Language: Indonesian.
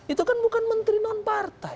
itu kan bukan menteri non partai